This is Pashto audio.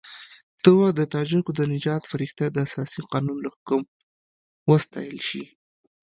ته وا د تاجکو د نجات فرښته د اساسي قانون له حکم وستایل شي.